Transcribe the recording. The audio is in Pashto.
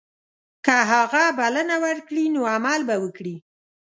که هغه بلنه ورکړي نو عمل به وکړي.